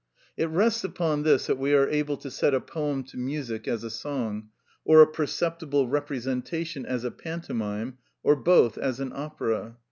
It rests upon this that we are able to set a poem to music as a song, or a perceptible representation as a pantomime, or both as an opera.